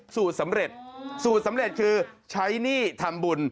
สูตรสำเร็จสูตรสำเร็จคือใช้หนี้ทำบุญ